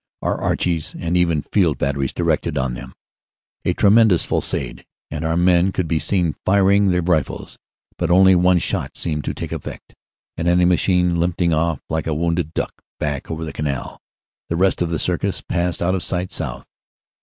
Our "Archies" and even field batteries directed on them a tremendous fusillade, and our men could be seen firing their rifles. But only one shot seemed to take effect, an enemy machine limping off like a wounded duck back over the canal. The rest of the "circus" passed out of sight south.